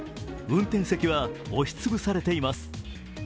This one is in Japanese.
運転席は押しつぶされています。